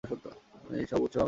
এই উৎসব আমেরিকানদের তৈরি।